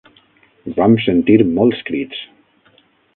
Vam sentir molts crits.